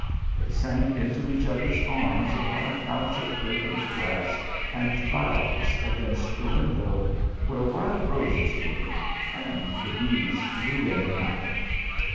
They sank into each other's arms upon a couch of fragrant grass and boughs against the window where wild roses bloomed ... and the bees flew in and out.